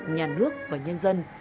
nhà nước và nhân dân